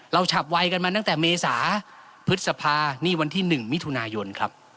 ฉับไวกันมาตั้งแต่เมษาพฤษภานี่วันที่๑มิถุนายนครับ